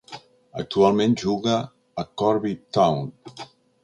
Actualment juga a Corby Town.